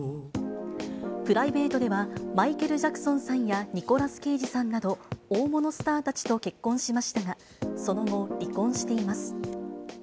プライベートでは、マイケル・ジャクソンさんやニコラス・ケイジさんなど、大物スターたちと結婚しましたが、その後、離婚しています。